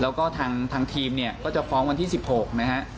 แล้วก็ทางทีมเนี่ยก็จะฟ้องวันที่๑๖นะฮะ